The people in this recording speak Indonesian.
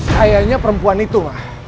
kayaknya perempuan itu ma